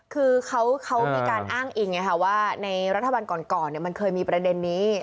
คือเขามีการอ้างอิงไงค่ะว่าในรัฐบาลก่อนมันเคยมีประเด็นนี้